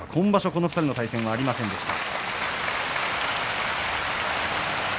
この２人の対戦はありませんでした。